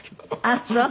ああそう！